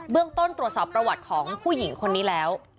ต้นตรวจสอบประวัติของผู้หญิงคนนี้แล้ว